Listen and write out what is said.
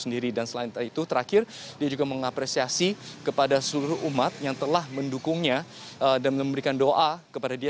dan selain itu terakhir dia juga mengapresiasi kepada seluruh umat yang telah mendukungnya dan memberikan doa kepada dia